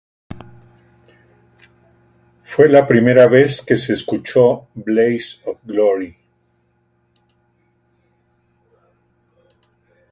Fue la primera vez que se escuchó "Blaze of Glory".